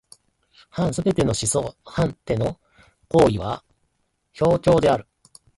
凡すべての思想凡ての行為は表象である。